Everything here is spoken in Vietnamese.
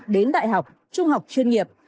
đến đại học trung học chuyên nghiệp